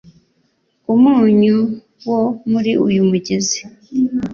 Umunyu wo muri uyu mugezi